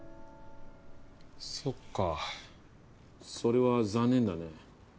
そっかそれは残念だね。